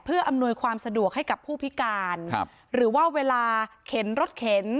เพื่ออำนวยความสะดวกให้กับผู้พิการครับหรือว่าเวลาเข็นรถเข็น